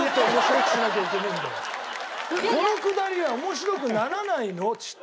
このくだりは面白くならないのちっとも。